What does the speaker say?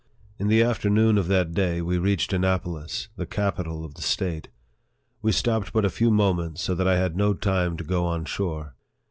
In the afternoon of that day, we reached Annapolis, the capital of the State. We stopped but a few mo ments, so that I had no time to go on shore.